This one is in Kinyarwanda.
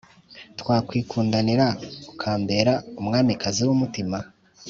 twakwikundanira ukambera umwamikazi wumutima